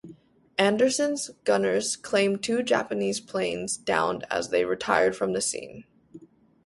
"Anderson"s gunners claimed two Japanese planes downed as they retired from the scene.